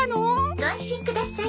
ご安心ください。